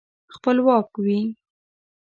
خپلواک وي.